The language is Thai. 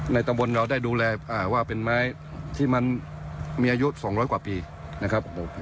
ตำบลเราได้ดูแลว่าเป็นไม้ที่มันมีอายุ๒๐๐กว่าปีนะครับผม